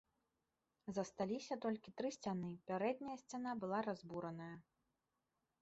Засталіся толькі тры сцяны, пярэдняя сцяна была разбураная.